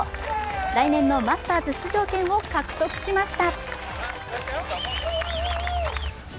来年のマスターズ出場権を獲得しました。